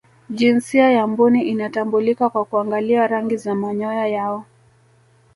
jinsia ya mbuni inatambulika kwa kuangalia rangi za manyoya yao